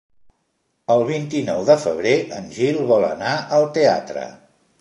El vint-i-nou de febrer en Gil vol anar al teatre.